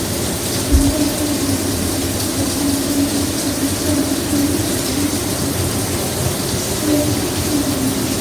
曾任中国人民解放军福建军区副司令员。